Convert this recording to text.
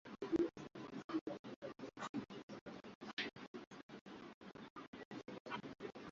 mwaka elfu mbili na kumi na nane ndege yenye wahudumu wa kike wote iliruka